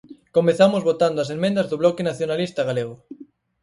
Comezamos votando as emendas do Bloque Nacionalista Galego.